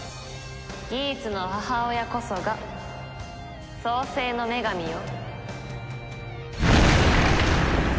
ギーツの母親こそが創世の女神よ。